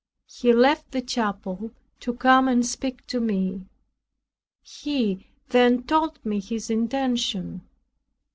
He left the chapel to come and speak to me. He then told me his intention.